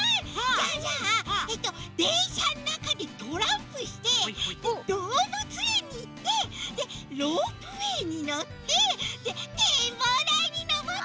じゃあじゃあえっとでんしゃのなかでトランプしてどうぶつえんにいってでロープウエーにのってでてんぼうだいにのぼって。